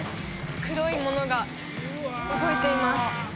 黒いものが動いています